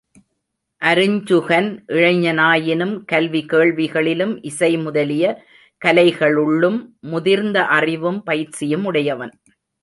அருஞ்சுகன் இளைஞனாயினும் கல்வி கேள்விகளிலும் இசை முதலிய கலைகளுள்ளும் முதிர்ந்த அறிவும் பயிற்சியும் உடையவன்.